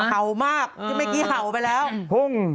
เห่ามากไม่กี่เห่าไปแล้วพุ่ง